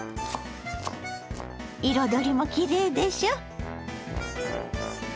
彩りもきれいでしょ。